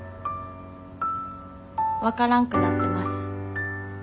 分からんくなってます。